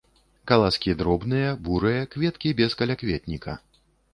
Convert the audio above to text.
Каласкі дробныя, бурыя, кветкі без калякветніка.